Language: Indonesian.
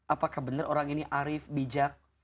apakah benar orang ini arif bijak